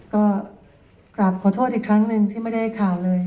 ก็กราบขอโทษอีกครั้งหนึ่งที่ไม่ได้ข่าวเลย